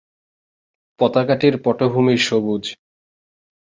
পতাকাটির পটভূমি সবুজ।